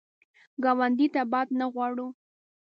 ګاونډي ته بد نه غواړه